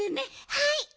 はい。